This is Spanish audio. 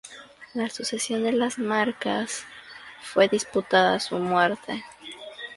La sucesión a las marcas fue disputada a su muerte.